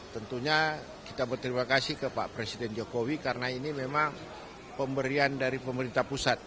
tentunya kita berterima kasih ke pak presiden jokowi karena ini memang pemberian dari pemerintah pusat